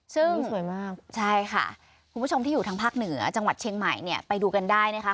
ซึ่งสวยมากใช่ค่ะคุณผู้ชมที่อยู่ทางภาคเหนือจังหวัดเชียงใหม่เนี่ยไปดูกันได้นะคะ